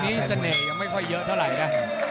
เสน่ห์ยังไม่ค่อยเยอะเท่าไหร่นะ